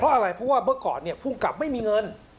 เพราะว่าเมื่อก่อนเนี่ยผู้กำกับไม่มีเงิน